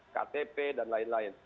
ktp dan lain lain